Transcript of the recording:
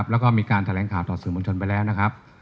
แล้วก็มีการแถลงข่าวต่อสื่อมวลชนไปแล้วนะครับ